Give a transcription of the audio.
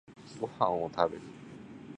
ご飯を食べる